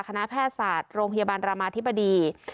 คณะแพทย์ศาสตร์โรงพยาบาลรามาธิบดี